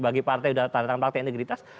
bagi partai yang sudah tanda tangan fakta integritas